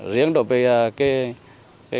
riêng đối với cái